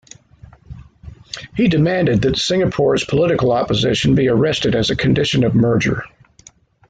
He demanded that Singapore's political opposition be arrested as a condition of merger.